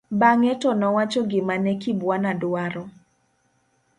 bang'e to nowacho gima ne Kibwana dwaro